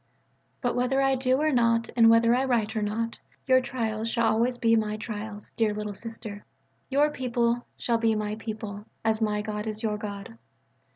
But whether I do or not and whether I write or not, your trials shall always be my trials, dear "Little Sister," your people shall be my people, as my God is your God.